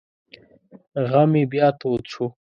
غم یې بیا تود شو.